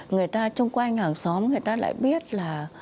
người ta chung quanh hàng xóm người ta lại biết là